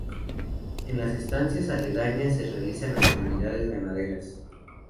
En las estancias aledañas se realizan actividades ganaderas.